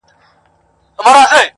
چي له ما یې پاته کړی کلی کور دی-